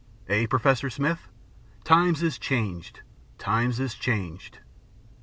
Eh, Professor Smith, times is changed, times is changed.